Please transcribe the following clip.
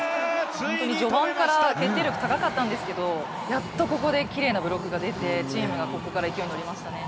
序盤から決定力、高かったんですけどやっとここできれいなブロックが出てチームがここから勢いに乗りましたね。